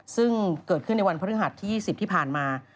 ซึ่งเกิดขึ้นในวันพฤหัสที่๒๐ที่ผ่านมา